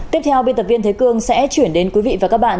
tiếp theo biên tập viên thế cương sẽ chuyển đến quý vị và các bạn